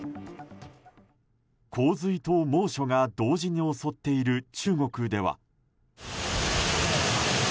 洪水と猛暑が同時に襲っている中国では。